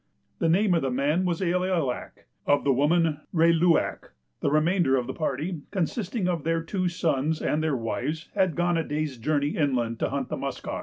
The name of the man was I il lak, of the woman Rei lu ak. The remainder of the party, consisting of their two sons and their wives, had gone a day's journey inland to hunt the musk ox.